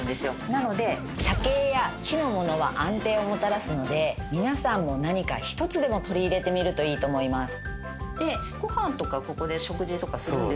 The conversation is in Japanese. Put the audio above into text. なので茶系や木の物は安定をもたらすので皆さんも何か１つでも取り入れてみるといいと思います。